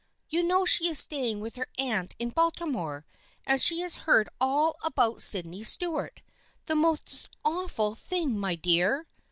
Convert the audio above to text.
You know she is staying with her aunt in Baltimore, and she has heard all about Sydney Stuart. The most awful thing, my dear